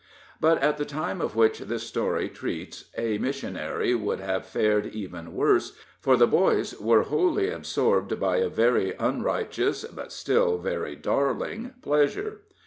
But at the time of which this story treats a missionary would have fared even worse, for the boys where wholly absorbed by a very unrighteous, but still very darling, pleasure.